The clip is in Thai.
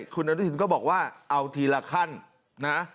คุณอนุทินก็บอกว่าเอาทีละขั้นนะ